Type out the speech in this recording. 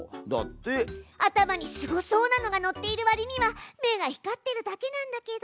頭にすごそうなのがのっているわりには目が光ってるだけなんだけど。